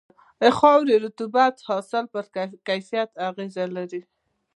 د خاورې رطوبت د حاصل پر کیفیت اغېز لري.